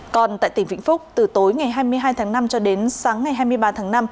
còn tại tỉnh vĩnh phúc từ tối ngày hai mươi hai tháng năm cho đến sáng ngày hai mươi ba tháng năm